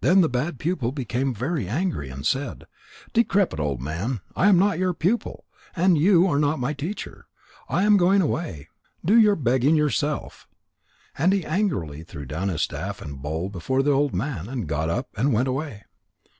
Then the bad pupil became angry and said: "Decrepit old man! I am not your pupil. And you are not my teacher. I am going away. Do your begging yourself." And he angrily threw down his staff and bowl before the old man, and got up, and went away.